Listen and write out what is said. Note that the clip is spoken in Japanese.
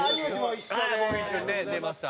僕一緒にね出ました。